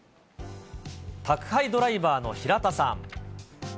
宅配ドライバーの平田さん。